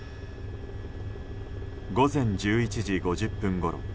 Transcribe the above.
午前１１時５０分ごろ。